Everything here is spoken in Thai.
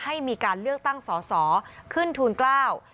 ให้มีการเลือกตั้งสอสอขึ้นทูลเกล้า